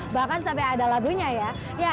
bahkan sampai ada lagunya ya